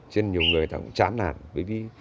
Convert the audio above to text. chứ nhiều người ta cũng chán nản bởi vì